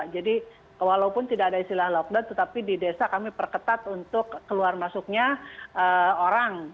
jadi walaupun tidak ada istilah lockdown tetapi di desa kami perketat untuk keluar masuknya orang